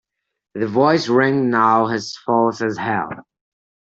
The voice rang now as false as hell.